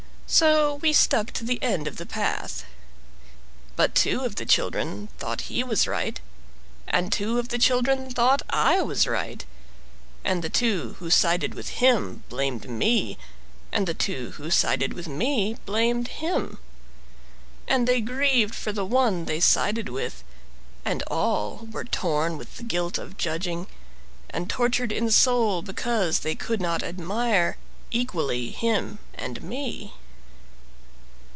So we stuck to the end of the path. But two of the children thought he was right, And two of the children thought I was right. And the two who sided with him blamed me, And the two who sided with me blamed him, And they grieved for the one they sided with. And all were torn with the guilt of judging, And tortured in soul because they could not admire Equally him and me.